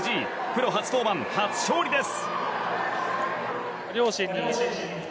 プロ初登板、初勝利です。